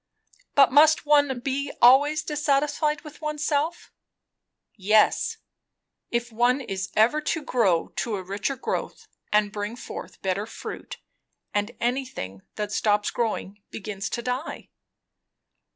"But must one be always dissatisfied with oneself?" "Yes; if one is ever to grow to a richer growth and bring forth better fruit. And anything that stops growing, begins to die."